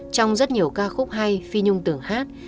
trong rất nhiều ca khúc hay phi nhung tưởng hát